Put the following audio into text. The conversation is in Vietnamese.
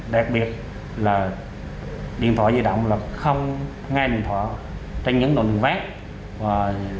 đặc biệt là điện thoại di động là không nghe điện thoại trên những nội lực vác